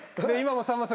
さんまさん